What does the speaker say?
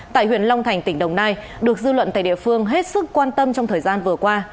tại huyện long thành tỉnh đồng nai được dư luận tại địa phương hết sức quan tâm trong thời gian vừa qua